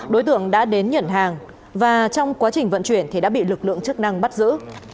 đối tượng đã đến nhận hàng và trong quá trình vận chuyển thì đã bị lực lượng chức năng bắt giữ